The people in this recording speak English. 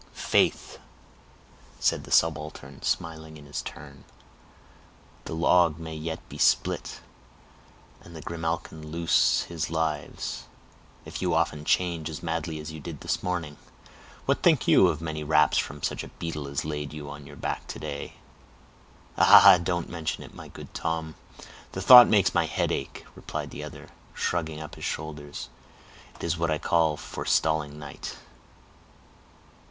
"Faith," said the subaltern, smiling in his turn, "the log may yet be split, and grimalkin lose his lives, if you often charge as madly as you did this morning. What think you of many raps from such a beetle as laid you on your back to day?" "Ah! don't mention it, my good Tom; the thought makes my head ache," replied the other, shrugging up his shoulders. "It is what I call forestalling night."